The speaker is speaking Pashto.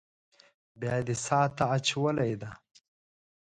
بيا دې څاه ته اچولې ده.